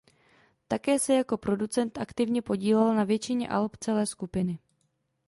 Také se jako producent aktivně podílel na většině alb celé skupiny.